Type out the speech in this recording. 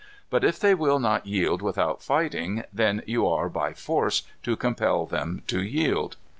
But if they will not yield without fighting, then you are, by force, to compel them to yield.